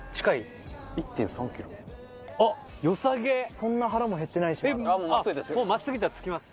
そんな腹もへってないしまだ。